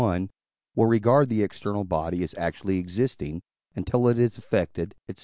will regard the external body as actually existing, until it is affected, &c.